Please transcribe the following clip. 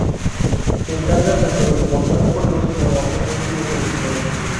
Se encarga tanto de portar juegos como hacer títulos originales.